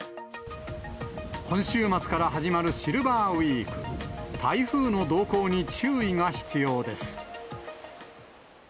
今週末から始まるシルバーウイーク、台風の動向に注意が必要です。